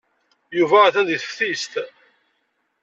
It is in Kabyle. Yuba atan deg teftist.